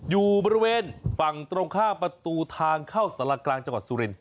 อยู่บริเวณฝั่งตรงข้ามประตูทางเข้าสารกลางจังหวัดสุรินท